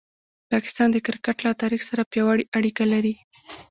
پاکستان د کرکټ له تاریخ سره پیاوړې اړیکه لري.